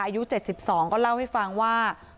อายุเจ็ดสิบสองก็เล่าให้ฟังว่าก็เนี่ย